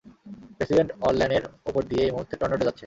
President অরল্যানের উপর দিয়ে এই মুহূর্তে টর্নেডো যাচ্ছে!